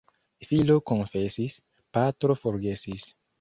Filo konfesis — patro forgesis.